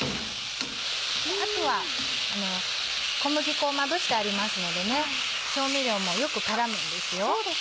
あとは小麦粉をまぶしてありますので調味料もよく絡むんですよ。